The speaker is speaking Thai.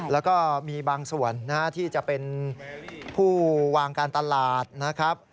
แล้วก็มีบางส่วนที่จะเป็นผู้วางการตลาดนะครับ